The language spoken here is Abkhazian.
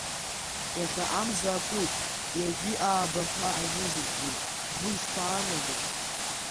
Иахьа амза акуп, ҩажәи ааба ҳәа азызыӡбеит, шәгәы ишԥаанагои?